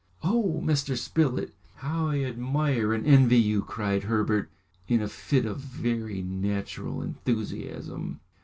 "Oh, Mr. Spilett, how I admire and envy you!" cried Herbert, in a fit of very natural enthusiasm.